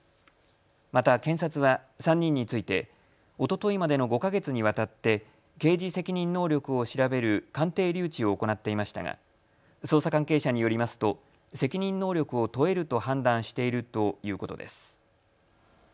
また検察は３人についておとといまでの５か月にわたって刑事責任能力を調べる鑑定留置を行っていましたが捜査関係者によりますと責任能力を問えると判断しているということです。